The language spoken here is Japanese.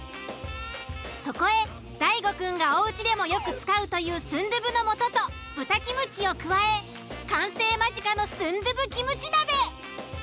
そこへ大悟くんがおうちでもよく使うというスンドゥブの素と豚キムチを加え完成間近のスンドゥブキムチ鍋。